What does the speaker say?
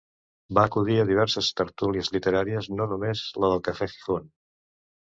Va acudir a diverses tertúlies literàries, no només la del Cafè Gijón.